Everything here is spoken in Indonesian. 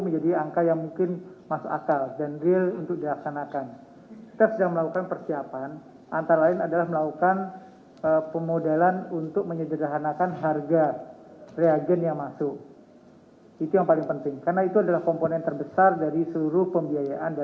jangan lupa like share dan subscribe ya